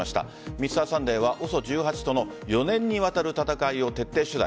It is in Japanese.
Ｍｒ．サンデーはＯＳＯ１８との４年にわたる戦いを徹底取材。